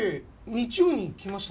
日曜に来ましたね。